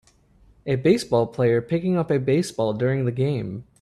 A baseball player picking up a baseball during the game.